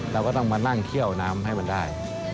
เราก็ต้องมานั่งเคี่ยวน้ำให้มันได้